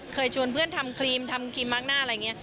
ชวนเพื่อนทำครีมทำครีมมาร์คหน้าอะไรอย่างนี้